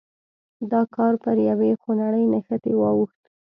دا کار پر یوې خونړۍ نښتې واوښت.